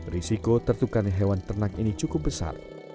risiko tertukar hewan ternak ini cukup besar